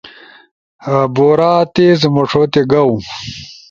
بورا تیز مݜوتے گاؤ